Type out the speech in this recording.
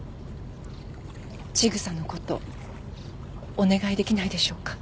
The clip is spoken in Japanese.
千草のことお願いできないでしょうか。